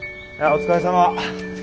お疲れさまです。